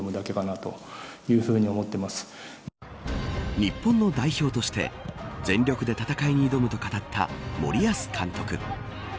日本の代表として全力で戦いに挑むと語った森保監督。